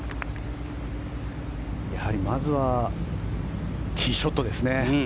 やはりまずは、ティーショットですね。